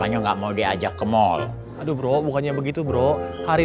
anaknya tuh dijagain jangan dilepas begitu aja